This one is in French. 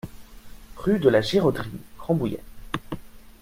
Rue de la Giroderie, Rambouillet